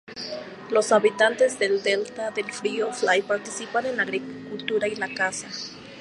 Los habitantes del delta del río Fly participan en la agricultura y la caza.